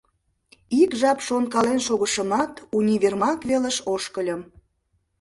Ик жап шонкален шогышымат, универмаг велыш ошкыльым.